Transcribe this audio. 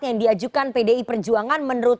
yang diajukan pdi perjuangan menurut